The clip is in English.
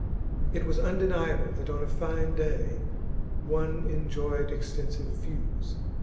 It was undeniable that on a fine day one enjoyed extensive views.